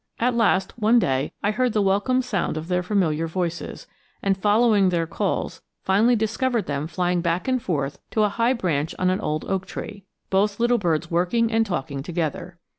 At last, one day, I heard the welcome sound of their familiar voices, and following their calls finally discovered them flying back and forth to a high branch on an old oak tree; both little birds working and talking together.